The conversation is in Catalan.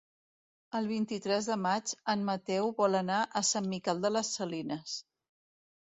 El vint-i-tres de maig en Mateu vol anar a Sant Miquel de les Salines.